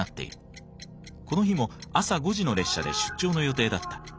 この日も朝５時の列車で出張の予定だった。